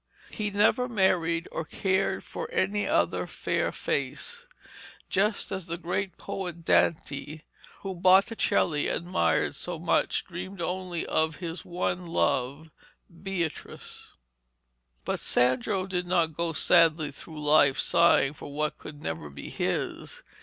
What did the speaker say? He never married or cared for any other fair face, just as the great poet Dante, whom Botticelli admired so much, dreamed only of his one love, Beatrice. But Sandro did not go sadly through life sighing for what could never be his.